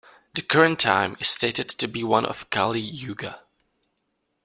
The current time is stated to be one of "kali yuga".